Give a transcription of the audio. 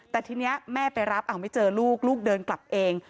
แต่ทีนี้แม่ไปรับไม่เจอลูกลูกเดินกลับเอง